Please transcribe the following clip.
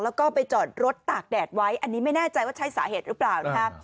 แล้วก็ไปจอดรถตากแดดไว้อันนี้ไม่แน่ใจว่าใช้สาเหตุหรือเปล่านะคะ